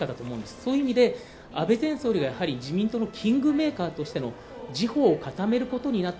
そういう意味で安倍前総理が自民党のキングメーカーとして固めることになった。